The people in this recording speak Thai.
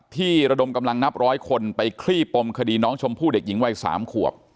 ระดมกำลังนับร้อยคนไปคลี่ปมคดีน้องชมพู่เด็กหญิงวัย๓ขวบ